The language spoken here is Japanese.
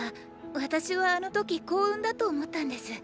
私はあの時“幸運”だと思ったんです。